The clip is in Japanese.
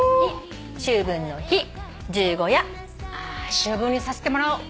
あ「秋分」にさせてもらおう。